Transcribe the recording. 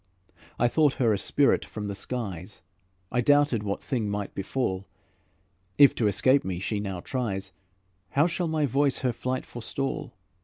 I thought her a spirit from the skies; I doubted what thing might befall; If to escape me now she tries, How shall my voice her flight forestall?